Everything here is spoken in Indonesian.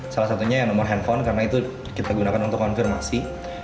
salah satunya yang nomor handphone karena itu kita gunakan untuk konfirmasi